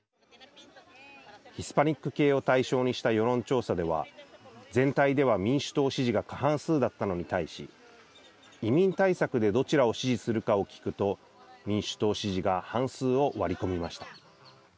ヒスパニック系を対象にした世論調査では全体では民主党支持が過半数だったのに対し移民対策でどちらを支持するかを聞くと民主党支持が半数を割り込みました。